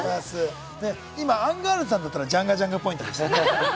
今、アンガールズさんだったら、ジャンガジャンガポイントでしたね。